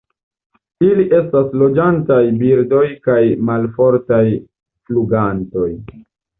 Ili estas loĝantaj birdoj kaj malfortaj flugantoj.